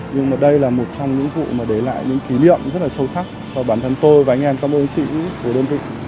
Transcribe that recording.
nhưng mà đây là một trong những vụ mà để lại những kỷ niệm rất là sâu sắc cho bản thân tôi và anh em các ứng sĩ của đơn vị